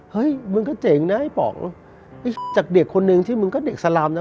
เฮ้ยมึงก็เจ๋งนะไอ้ป๋องจากเด็กคนนึงที่มึงก็เด็กสลำนะ